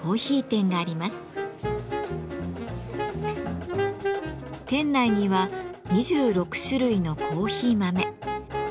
店内には２６種類のコーヒー豆。